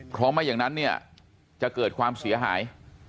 เพราะไม่อย่างนั้นเนี่ยจะเกิดความเสียหาย